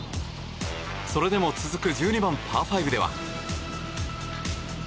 それでも続く１２番、パー５では。